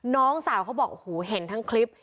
น้องสาวเขาบอกโอ้โหเห็นทั้งคลิป